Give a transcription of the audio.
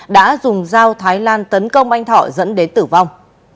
đã dùng dao thái lan tấn công anh thọ dẫn đến tử vong